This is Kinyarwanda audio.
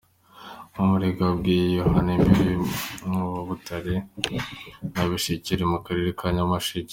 Umurenge wa Bweyeye uhana imbibi n’uwa Butare na Bushekeri mu karere ka Nyamasheke.